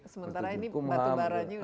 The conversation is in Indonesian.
sementara ini batu baranya